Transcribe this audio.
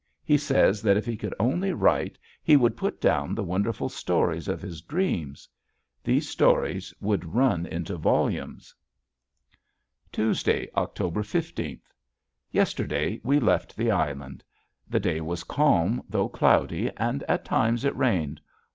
He says that if he could only write he would put down the wonderful stories of his dreams. These stories would run into volumes. [Illustration: SUNRISE] Tuesday, October fifteenth. Yesterday we left the island. The day was calm though cloudy, and at times it rained.